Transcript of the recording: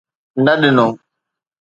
نه ڏنو